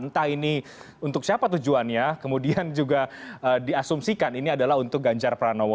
entah ini untuk siapa tujuannya kemudian juga diasumsikan ini adalah untuk ganjar pranowo